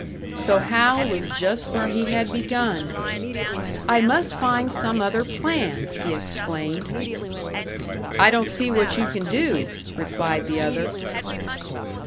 So Hal was just where he had begun! "I must find some other plan," he exclaimed. "I don't see what you can do," replied the other.